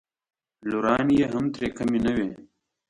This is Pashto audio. لورانې یې هم ترې کمې نه وې.